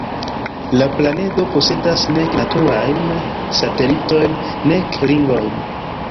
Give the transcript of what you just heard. La planedo posedas nek naturajn satelitojn, nek ringojn.